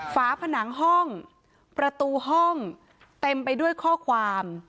ฝาผนังห้องประตูห้องเต็มไปด้วยข้อความ